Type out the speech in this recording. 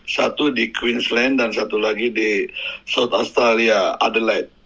satu di queensland dan satu lagi di south australia adelaide